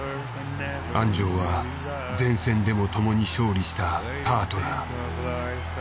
鞍上は前戦でもともに勝利したパートナー。